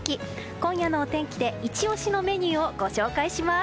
今夜のお天気でイチ押しのメニューをご紹介します。